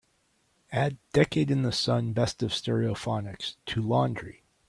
Add decade in the sun best of stereophonics to laundry.